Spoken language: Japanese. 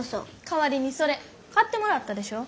代わりにそれ買ってもらったでしょ。